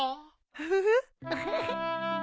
ウフフ。